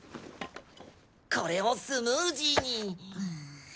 これをスムージーに。